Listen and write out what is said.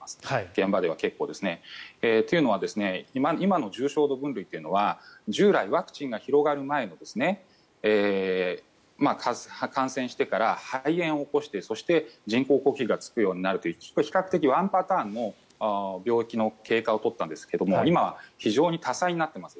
現場では結構。というのは今の重症度分類というのは従来、ワクチンが広がる前の感染してから肺炎を起こしてそして、人工呼吸器がつくようになるという比較的ワンパターンの病気の経過を取ったんですが今、非常に多彩になっています。